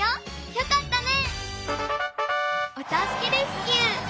よかったね！